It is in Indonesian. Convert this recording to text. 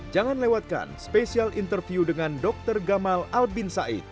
jangan lewatkan spesial interview dengan dokter gamal albin said